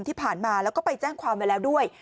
ที่ผ่านมาแล้วก็ไปแจ้งความไว้แล้วด้วย